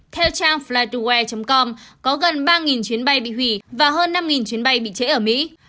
theo trang flyduare com có gần ba chuyến bay bị hủy và hơn năm chuyến bay bị trễ ở mỹ